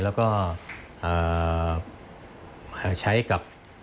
แล้วก็ใช้กับ